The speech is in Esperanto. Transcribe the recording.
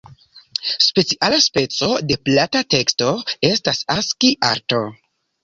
Speciala speco de plata teksto estas Aski-arto.